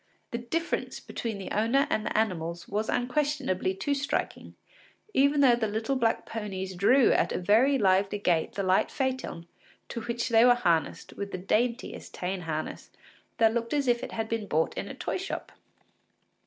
The difference between the owner and the animals was unquestionably too striking, even though the little black ponies drew at a very lively gait the light phaeton to which they were harnessed with the daintiest tan harness, that looked as if it had been bought in a toy shop.